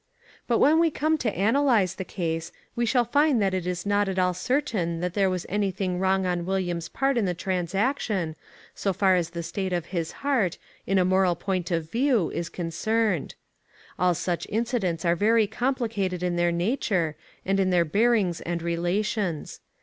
But when we come to analyze the case, we shall find that it is not at all certain that there was any thing wrong on William's part in the transaction, so far as the state of his heart, in a moral point of view, is concerned. All such incidents are very complicated in their nature, and in their bearings and relations.